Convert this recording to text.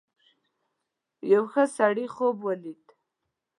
یو ښه سړي خوب ولید.